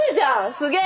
すげえ！